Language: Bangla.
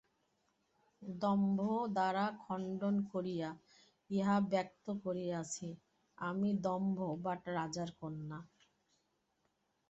দন্ত দ্বারা খণ্ডন করিয়া ইহা ব্যক্ত করিয়াছে আমি দন্তবাট রাজার কন্যা।